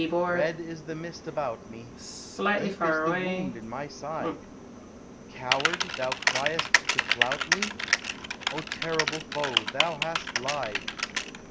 Red is the mist about me; Deep is the wound in my side; "Coward" thou criest to flout me? O terrible Foe, thou hast lied!